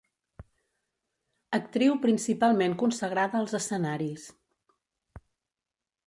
Actriu principalment consagrada als escenaris.